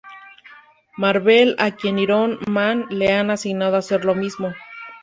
Marvel a quien Iron Man le ha asignado hacer lo mismo.